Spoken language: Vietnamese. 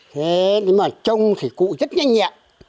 thế mà ở trong thì cụ rất nhanh nhẹ